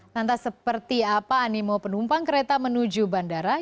lantas seperti apa animo penumpang kereta menuju bandara